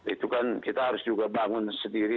itu kan kita harus juga bangun sendiri